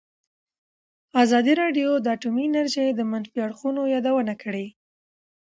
ازادي راډیو د اټومي انرژي د منفي اړخونو یادونه کړې.